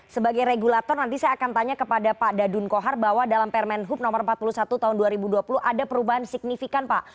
sebagai regulator nanti saya akan tanya kepada pak dadun kohar bahwa dalam permen hub no empat puluh satu tahun dua ribu dua puluh ada perubahan signifikan pak